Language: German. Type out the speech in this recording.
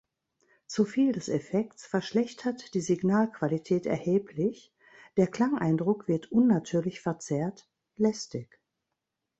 Zu viel des Effekts verschlechtert die Signalqualität erheblich, der Klangeindruck wird unnatürlich, verzerrt, lästig.